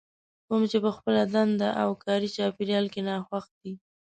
کوم چې په خپله دنده او کاري چاپېريال کې ناخوښ دي.